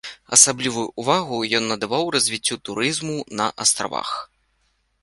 Асаблівую ўвагу ён надаваў развіццю турызму на астравах.